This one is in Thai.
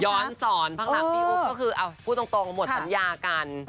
ย้อนสอนพั้งหลังพี่อุ๊บก็คือเอ้าพูดตรงหมดสัญญาการ